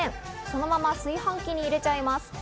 そのまま炊飯器に入れちゃいます。